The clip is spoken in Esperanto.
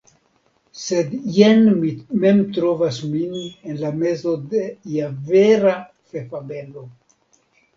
Sed jen mi mem trovas min en la mezo de ia vera fefabelo!